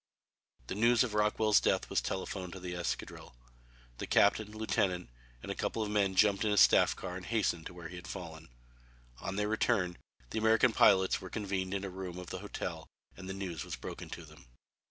The news of Rockwell's death was telephoned to the escadrille. The captain, lieutenant, and a couple of men jumped in a staff car and hastened to where he had fallen. On their return the American pilots were convened in a room of the hotel and the news was broken to them.